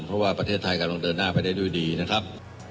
เพราะว่าประเทศไทยกำลังเดินหน้าไปได้ด้วยดีนะครับ